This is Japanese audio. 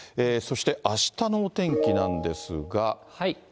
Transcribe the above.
そしてあしたのお天気なんですが。